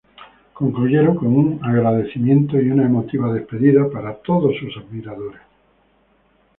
Concluyeron con un agradecimiento y una emotiva despedida para todos sus admiradores.